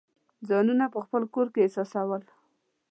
ځانونه په خپل کور کې احساسول.